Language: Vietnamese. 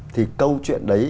thì câu chuyện đấy